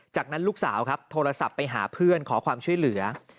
จากนั้นลูกสาวครับโทรศัพท์ไปหาเพื่อนขอความช่วยเหลือ